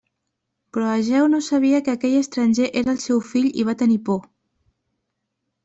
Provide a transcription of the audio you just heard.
Però Egeu no sabia que aquell estranger era el seu fill i va tenir por.